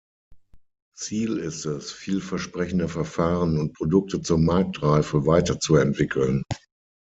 Ziel ist es, vielversprechende Verfahren und Produkte zur Marktreife weiterzuentwickeln.